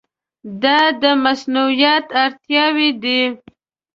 دا د مصونیت اړتیاوې دي.